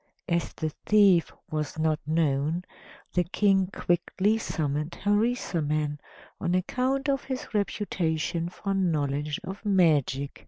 As the thief was not known, the King quickly summoned Harisarman on account of his reputation for knowledge of magic.